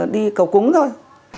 đi cầu cúng thôi